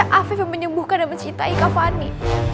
saya afif yang menyembuhkan dan mencintai kak fani